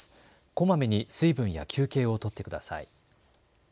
こまめに水分や休憩をとってください。